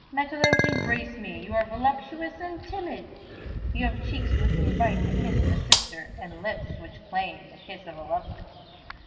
Matelote, embrace me! You are voluptuous and timid! You have cheeks which invite the kiss of a sister, and lips which claim the kiss of a lover."